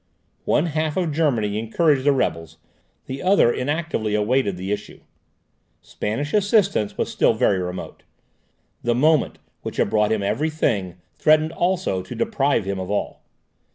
One half of Germany encouraged the rebels, the other inactively awaited the issue; Spanish assistance was still very remote. The moment which had brought him every thing, threatened also to deprive him of all.